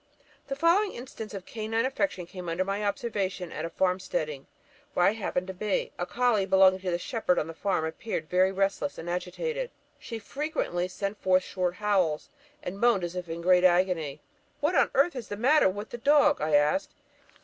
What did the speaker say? "The following instance of canine affection came under my observation at a farm steading, where I happened to be. A colley belonging to the shepherd on the farm appeared very restless and agitated: she frequently sent forth short howls, and moaned as if in great agony. 'What on earth is the matter with the dog?' I asked.